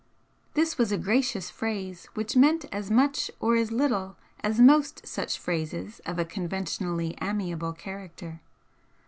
This was a gracious phrase which meant as much or as little as most such phrases of a conventionally amiable character.